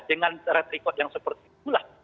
dengan retrikot yang seperti itulah